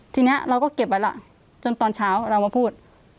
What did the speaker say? ทีนี้เราก็เก็บไว้ล่ะจนตอนเช้าเรามาพูด